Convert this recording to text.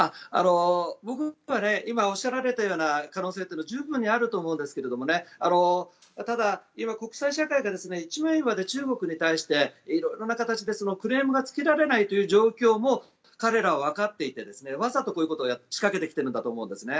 今、おっしゃられたような可能性は十分にあると思うんですけどただ、今、国際社会が一枚岩で中国に対して色々な形でクレームがつけられないという状況も彼らはわかっていてわざとこういうことを仕掛けてきているんだと思うんですね。